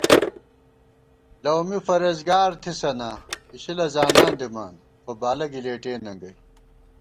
لَؤ می فرېزگار تھِسَنا اِشِلہ زانان دِمان، خو بالہ گِلېٹِئےننگَئ